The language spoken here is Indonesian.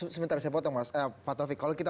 sementara saya potong mas pak tovik kalau kita